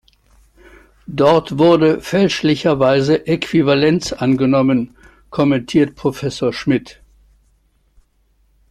Dort wurde fälschlicherweise Äquivalenz angenommen, kommentiert Professor Schmidt.